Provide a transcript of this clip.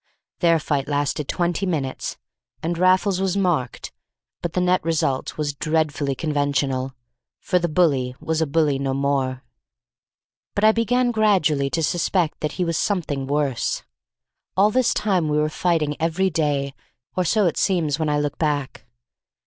Their fight lasted twenty minutes, and Raffles was marked, but the net result was dreadfully conventional, for the bully was a bully no more. But I began gradually to suspect that he was something worse. All this time we were fighting every day, or so it seems when I look back.